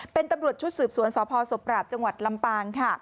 เป็นตำรวจชุดสืบสวนสพศพปราบจังหวัดลำปางค่ะ